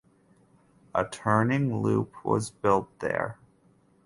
A turning loop was built there.